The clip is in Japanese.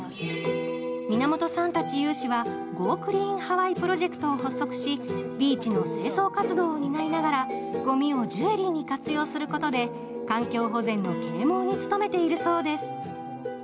皆本さんたち有志はゴー・クリーン・ハワイ・プロジェクトを発足し、ビーチの清掃活動を担いながらごみをジュエリーに活用することで環境保全の啓もうに努めているそうです。